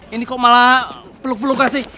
ini kok malah peluk peluk gak sih